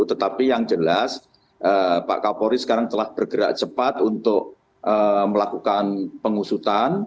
tetapi yang jelas pak kapolri sekarang telah bergerak cepat untuk melakukan pengusutan